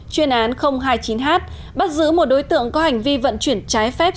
chuyên án hai mươi chín h bắt giữ một đối tượng có hành vi vận chuyển trái phép